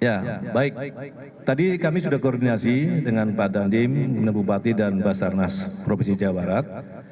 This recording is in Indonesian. ya baik tadi kami sudah koordinasi dengan pak dandim bupati dan basarnas provinsi jawa barat